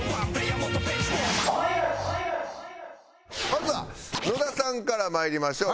まずは野田さんからまいりましょう。